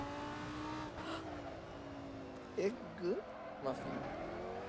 エッグマフィン？